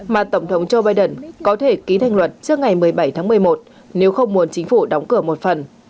mà tổng thống joe biden có thể ký thành luật trước ngày một mươi bảy tháng một mươi một nếu không muốn chính phủ đóng cửa một phần